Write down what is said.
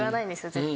絶対。